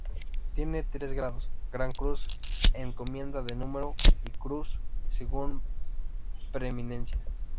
Tiene tres grados: Gran Cruz, Encomienda de Número y Cruz, según preeminencia.